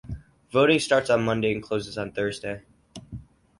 Voting starts on Monday and closes on Thursday.